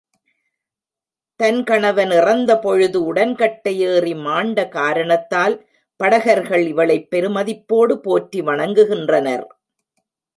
தன் கணவன் இறந்த பொழுது உடன்கட்டை ஏறி மாண்ட காரணத்தால், படகர்கள் இவளைப் பெருமதிப்போடு போற்றி வணங்குகின்றனர்.